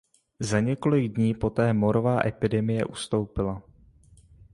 Za několik dní poté morová epidemie ustoupila.